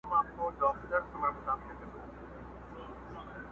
امر دی د پاک یزدان ګوره چي لا څه کیږي!!